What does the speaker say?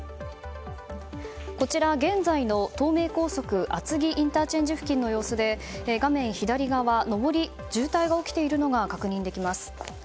こちらは、現在の東名高速厚木ＩＣ付近の様子で画面左側上りで渋滞が起きているのが確認できます。